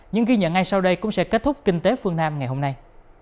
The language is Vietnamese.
những ghi nhận ngay sau đây cũng sẽ kết thúc kinh tế phương nam ngày hôm nay